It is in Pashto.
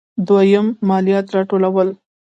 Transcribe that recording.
دویم: مالیات راټولول.